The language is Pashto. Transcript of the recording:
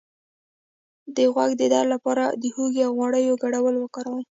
د غوږ د درد لپاره د هوږې او غوړیو ګډول وکاروئ